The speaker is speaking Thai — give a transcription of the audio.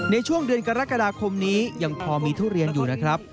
ในช่วงเดือนกรกฎาคมนี้ยังพอมีทุเรียนอยู่นะครับ